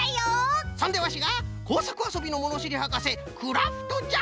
そんでワシがこうさくあそびのものしりはかせクラフトじゃ。